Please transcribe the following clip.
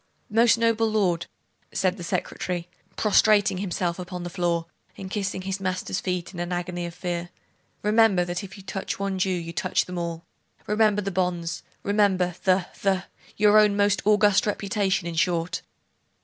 'Most noble lord,' said the secretary, prostrating himself upon the floor, and kissing his master's feet in an agony of fear.... 'Remember, that if you touch one Jew you touch all! Remember the bonds! remember the the your own most august reputation, in short.